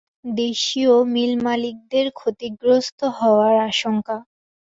দেশীয় মিলমালিকদের ক্ষতিগ্রস্ত হওয়ার আশঙ্কা।